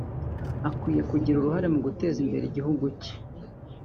akwiye kugira uruhare mu guteza imbere igihugu cye